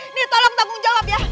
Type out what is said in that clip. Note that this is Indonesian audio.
ini tolong tanggung jawab ya